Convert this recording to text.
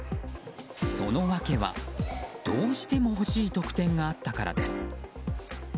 そのわけは、どうしても欲しい特典があったからです。